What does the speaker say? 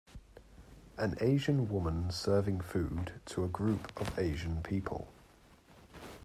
An Asian woman serving food to a group of Asian people.